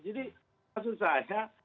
jadi maksud saya